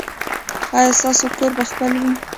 ایا ستاسو کور به خپل وي؟